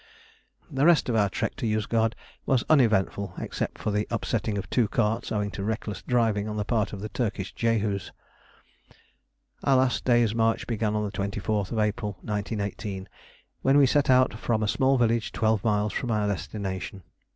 The rest of our trek to Yozgad was uneventful except for the upsetting of two carts, owing to reckless driving on the part of the Turkish Jehus. Our last day's march began on the 24th April 1918, when we set out from a small village twelve miles from our destination.